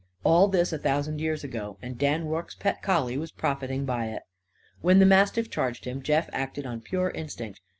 All this a thousand years ago; and Dan Rorke's pet collie was profiting by it. When the mastiff charged him Jeff acted on pure instinct.